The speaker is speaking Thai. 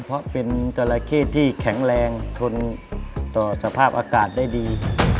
เพราะเป็นจราเข้ที่แข็งแรงทนต่อสภาพอากาศได้ดี